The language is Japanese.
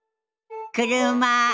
車。